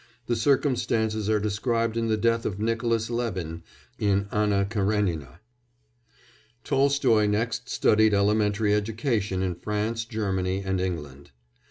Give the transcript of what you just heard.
The circumstances are described in the death of Nicolas Levin in Anna Karénina. Tolstoy next studied elementary education in France, Germany, and England.